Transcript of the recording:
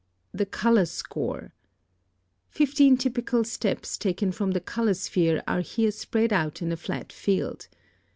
2. The Color Score. Fifteen typical steps taken from the color sphere are here spread out in a flat field.